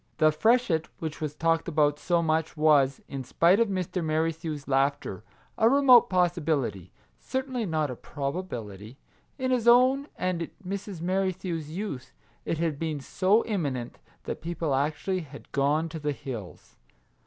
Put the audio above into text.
The freshet which was talked about so much was, in spite of Mr. Merrithew's laughter, a remote possi bility ; certainly not a probability. In his own and Mrs. Merrithew's youth, it had been so imminent that people actually had gone to the Our Little Canadian Cousin 121 hills.